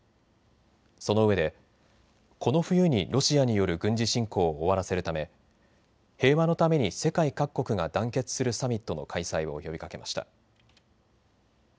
そのうえでこの冬にロシアによる軍事侵攻を終わらせるため平和のために世界各国が団結するサミットの開催を呼びかけました。